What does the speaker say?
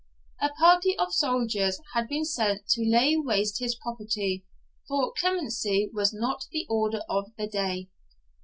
A party of soldiers had been sent to lay waste his property, for clemency was not the order of the day.